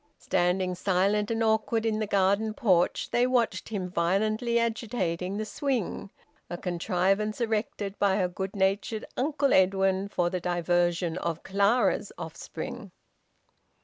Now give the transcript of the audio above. Standing silent and awkward in the garden porch, they watched him violently agitating the swing, a contrivance erected by a good natured Uncle Edwin for the diversion of Clara's offspring.